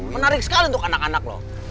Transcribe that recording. menarik sekali untuk anak anak loh